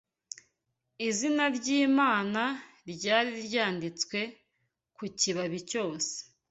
Izina ry’Imana ryari ryanditswe ku kibabi cyose